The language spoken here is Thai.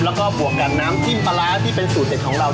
แล้วก็บวกกับน้ำจิ้มปลาร้าที่เป็นสูตรเด็ดของเรา